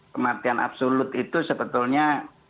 kematian absolut itu sebetulnya